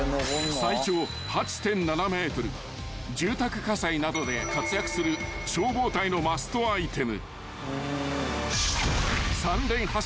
［住宅火災などで活躍する消防隊のマストアイテム］